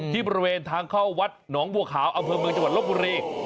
บริเวณทางเข้าวัดหนองบัวขาวอำเภอเมืองจังหวัดลบบุรี